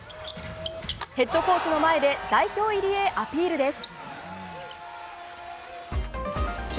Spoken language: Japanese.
ヘッドコーチの前で代表入りへアピールです。